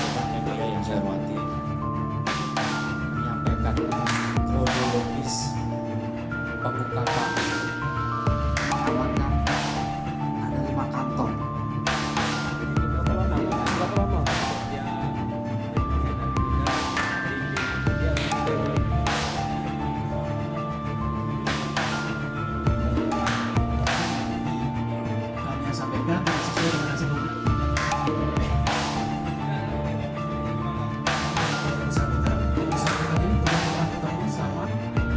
banyak banyak mungkin yang ke detector